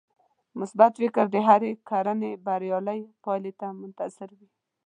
مثبت فکر د هرې کړنې بريالۍ پايلې ته منتظر وي.